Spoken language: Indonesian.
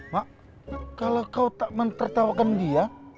mak kalau kau tak mentertawakan dia